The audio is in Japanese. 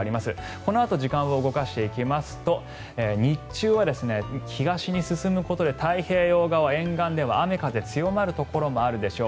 このあと時間を動かしていきますと日中は東に進むことで太平洋側沿岸では雨、風強まるところもあるでしょう。